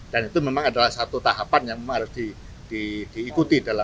dan itu memang adalah satu tahapan yang harus diikuti